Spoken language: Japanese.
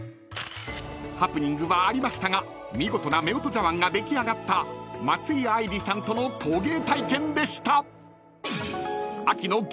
［ハプニングはありましたが見事なめおと茶わんが出来上がった松井愛莉さんとの陶芸体験でした］